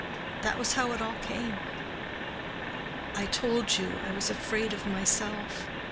That was how it all came. I told you I was afraid of myself.